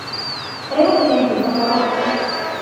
Prego silencio, por favor.